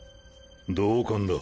同感だ。